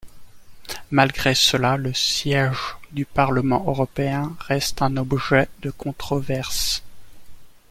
Malgré cela, le siège du Parlement européen reste un objet de controverse.